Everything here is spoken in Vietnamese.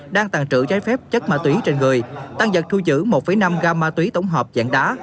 đang tàn trữ trái phép chất ma túy trên người tăng giật thu chữ một năm gamma túy tổng hợp dạng đá